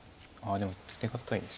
でも手堅いです。